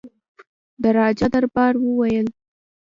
د راجا دربار وویل.